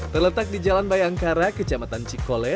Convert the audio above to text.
terletak di jalan bayangkara kecamatan cikole